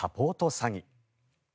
詐欺。